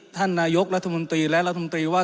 ท่านนายกรัฐมนตรีและรัฐมนตรีว่า